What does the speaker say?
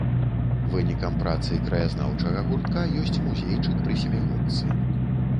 Вынікам працы краязнаўчага гуртка ёсць музейчык пры сямігодцы.